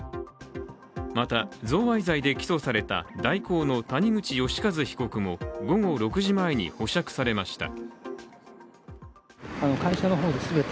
また贈賄罪で起訴された大広の谷口義一被告も午後６時前に保釈されました。